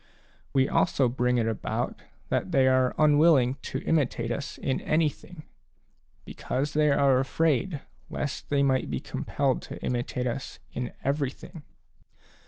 We also bring it about that they are unwilling to imitate us in anything, because they are afraid lest they might be compelled to imitate us in everything.